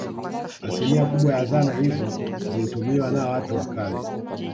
Asilimia kubwa ya zana izo zilizotumiwa na watu wa kale